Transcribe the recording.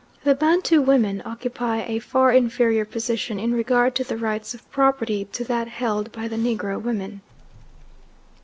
The Bantu women occupy a far inferior position in regard to the rights of property to that held by the Negro women.